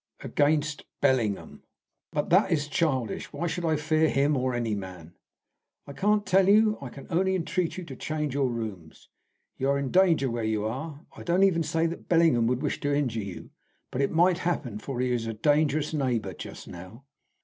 "Against Bellingham." "But that is childish. Why should I fear him, or any man?" "I can't tell you. I can only entreat you to change your rooms. You are in danger where you are. I don't even say that Bellingham would wish to injure you. But it might happen, for he is a dangerous neighbour just now."